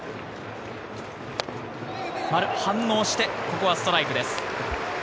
丸、反応して、ここはストライクです。